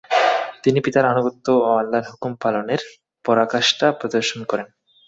তিনি পিতার আনুগত্য ও আল্লাহর হুকুম পালনের পরাকাষ্ঠা প্রদর্শন করেন।